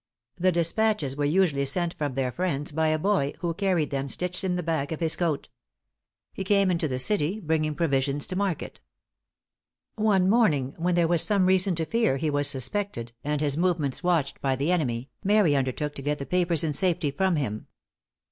The despatches were usually sent from their friends by a boy, who carried them stitched in the back of his coat. He came into the city bringing provisions to market. One morning, when there was some reason to fear he was suspected, and his movements watched by the enemy, Mary undertook to get the papers in safety from him.